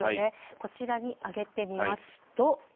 こちらに挙げてみますと。